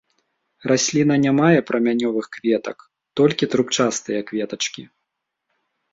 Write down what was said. Расліна не мае прамянёвых кветак, толькі трубчастыя кветачкі.